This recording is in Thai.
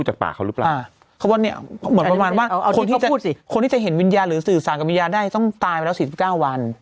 เหมือนประมาณว่าคนที่จะเห็นวิญญาณหรือสื่อสารกับวิญญาณได้ต้องตายไปแล้ว๔๙วัน